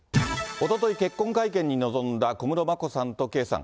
おととい、結婚会見に臨んだ小室眞子さんと圭さん。